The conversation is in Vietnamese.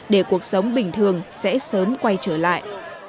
để cuộc sống bình thường sẽ sớm quay trở lại